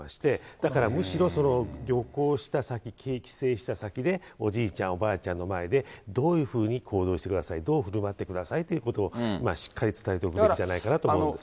だからむしろ、旅行した先、帰省した先でおじいちゃん、おばあちゃんの前で、どういうふうに行動してください、どうふるまってくださいということをしっかり伝えておくべきじゃないかなと思うんです。